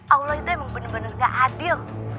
allah itu emang bener bener gak adil